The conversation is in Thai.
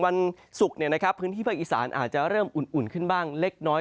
วันศุกร์พื้นที่ภาคอีสานอาจจะเริ่มอุ่นขึ้นบ้างเล็กน้อย